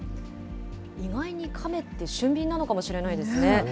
意外にカメって俊敏なのかもしれないですね。